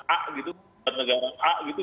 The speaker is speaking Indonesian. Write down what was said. a gitu penegak a gitu